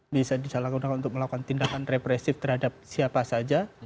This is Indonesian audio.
bisa disalahgunakan untuk melakukan tindakan represif terhadap siapa saja